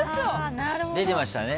出てましたね。